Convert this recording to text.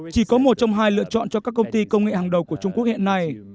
chỉ có một trong hai lựa chọn cho các công ty công nghệ hàng đầu của trung quốc hiện nay